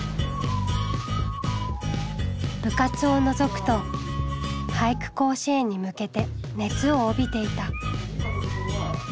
部活をのぞくと俳句甲子園に向けて熱を帯びていた。